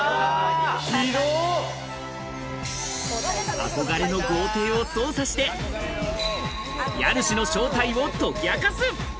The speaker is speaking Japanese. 憧れの豪邸を捜査して、家主の正体を解き明かす。